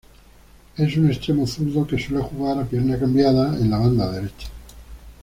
Es un extremo zurdo que suele jugar a pierna cambiada, en la banda derecha.